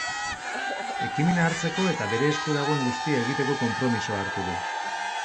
Ekimena hartzeko eta bere esku dagoen guztia egiteko konpromisoa hartu du.